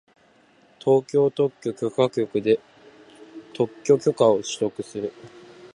東京特許許可局で特許許可を取得する